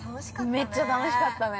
◆めっちゃ楽しかったね。